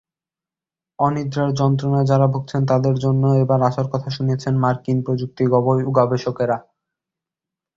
অনিদ্রার যন্ত্রণায় যারা ভুগছেন তাঁদের জন্য এবার আশার কথা শুনিয়েছেন মার্কিন প্রযুক্তি গবেষকেরা।